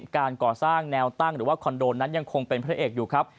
การก่อสร้างแนวตั้งหรือว่าคอนโดนั้นยังคงเป็นพระเอกอยู่ครับ